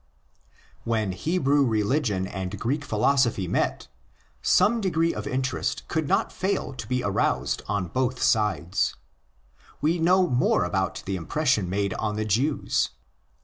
When Hebrew religion and Greek philosophy met, some degree of interest could not fail to be aroused on both sides. We know more about the impression made on the Jews.